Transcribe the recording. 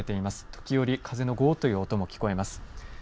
時折、風の強いごーっという音も聞こえます。